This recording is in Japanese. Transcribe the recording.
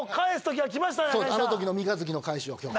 あの時の『三日月』の返しを今日。